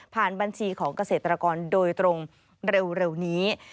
บัญชีของเกษตรกรโดยตรงเร็วนี้